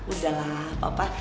udah lah papa